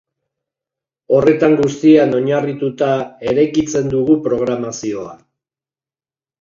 Horretan guztian oinarrituta eraikitzen dugu programazioa.